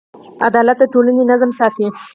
عدالت د ټولنې نظم ساتي.